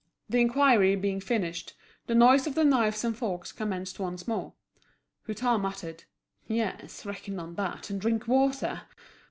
The inquiry being finished, the noise of the knives and forks commenced once more. Hutin muttered "Yes, reckon on that, and drink water!